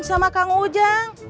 sama kang ujang